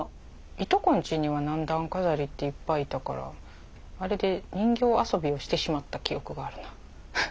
いとこんちには何段飾りっていっぱいいたからあれで人形遊びをしてしまった記憶があるな。